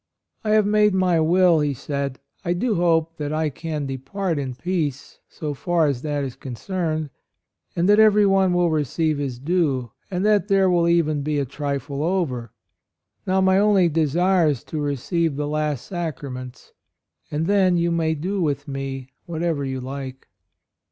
"I have made my will," he said. "I do hope that I can depart in peace so far as that is concerned, and that everyone will receive his due, and that there will even be a trifle over. Now my only desire is to receive the last Sacraments, and then you may do with me whatever you like."